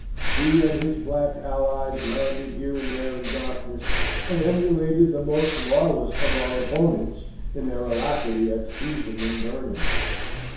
He and his black allies landed here and there in darkness, and emulated the most lawless of our opponents in their alacrity at seizing and burning.